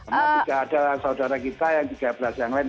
karena tidak ada saudara kita yang tiga belas yang lain